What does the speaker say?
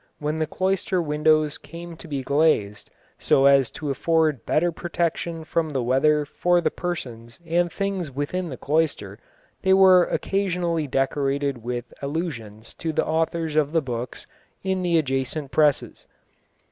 When the cloister windows came to be glazed, so as to afford better protection from the weather for the persons and things within the cloister, they were occasionally decorated with allusions to the authors of the books in the adjacent presses.